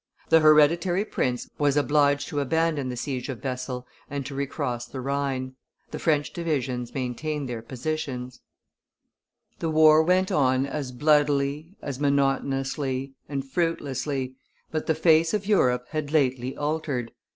The hereditary prince was obliged to abandon the siege of Wesel and to recross the Rhine. The French divisions maintained their positions. [Illustration: Death of Chevalier D'Assas 233] The war went on as bloodily as monotonously and fruitlessly, but the face of Europe had lately altered.